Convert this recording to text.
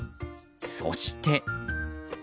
そして。